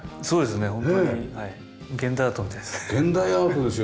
そうですね。